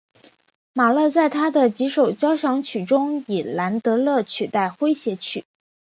马勒在他的几首交响曲中以兰德勒取代诙谐曲。